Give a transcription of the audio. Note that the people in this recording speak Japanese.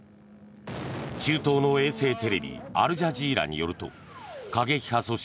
中東の衛星テレビアルジャジーラによると過激派組織